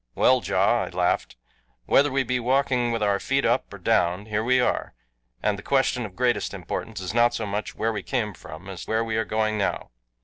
"Well, Ja," I laughed, "whether we be walking with our feet up or down, here we are, and the question of greatest importance is not so much where we came from as where we are going now.